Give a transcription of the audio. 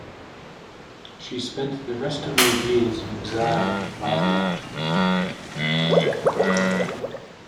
She spent the rest of her years in exile in Bavaria.